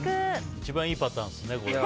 一番いいパターンですね。